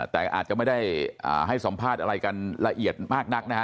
แต่อาจจะไม่ได้ให้สัมภาษณ์อะไรกันละเอียดมากนักนะฮะ